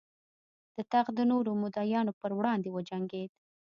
د تخت د نورو مدعیانو پر وړاندې وجنګېد.